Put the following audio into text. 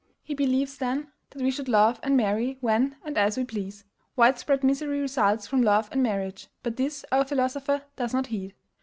He believes, then, that we should love and marry when and as we please. Widespread misery results from love and marriage, but this our philosopher does not heed.